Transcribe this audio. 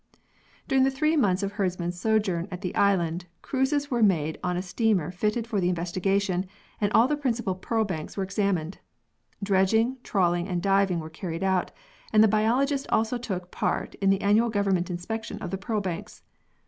During the three months of Herdman's sojourn at the island, cruises were made on a steamer fitted for the investigation and all the principal pearl banks were examined. Dredging, trawling and diving were carried out, and the biologists also took part in the annual government inspection of the pearl banks.